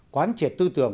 quán triệt tư tưởng